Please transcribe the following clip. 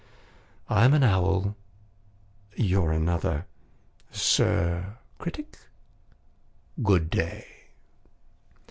I'm an owl; you're another. Sir Critic, good day!"